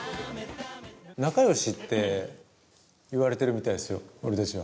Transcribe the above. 仲よしって言われてるみたいですよ、俺たちは。